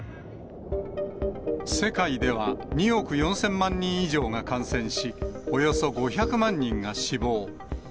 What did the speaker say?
世界では２億４０００万人以上が感染し、およそ５００万人が死亡。